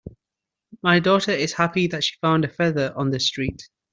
My daughter is happy that she found a feather on the street.